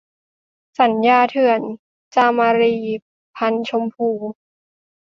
สัญญาเถื่อน - จามรี พรรณชมพู